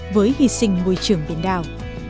với hy sinh môi trường biển đảo